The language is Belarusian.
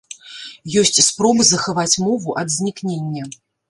Ёсць спробы захаваць мову ад знікнення.